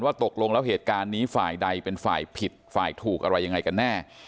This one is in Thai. ตกลงแล้วเหตุการณ์นี้ฝ่ายใดเป็นฝ่ายผิดฝ่ายถูกอะไรยังไงกันแน่